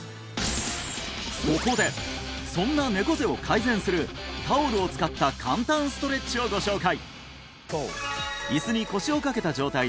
そこでそんな猫背を改善するタオルを使った簡単ストレッチをご紹介！